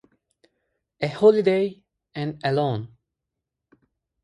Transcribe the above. A holiday, and alone!